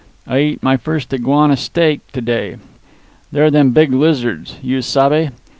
"I eat my first iguana steak to day. They're them big lizards, you sabe?